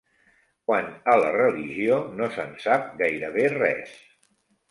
Quant a la religió no se'n sap gairebé res.